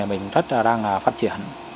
mình rất là đang phát triển